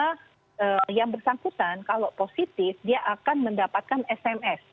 ke bidangi rekrutan kalau positif dia akan mendapatkan sms